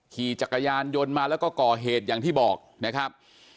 ขี่จักรยานยนต์มาแล้วก็ก่อเหตุอย่างที่บอกนะครับ